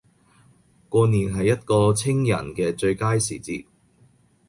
過年係一個清人既最佳時節